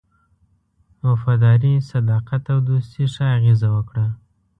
وفاداري، صداقت او دوستی ښه اغېزه وکړه.